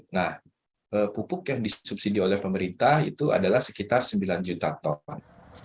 nah pupuk yang disubsidi oleh pemerintah itu adalah sekitar sembilan juta ton